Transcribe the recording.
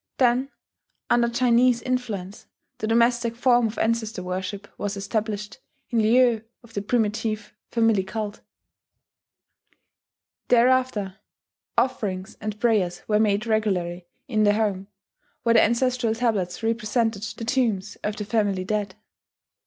Then, under Chinese influence, the domestic form of ancestor worship was established in lieu of the primitive family cult: thereafter offerings and prayers were made regularly in the home, where the ancestral tablets represented the tombs of the family dead.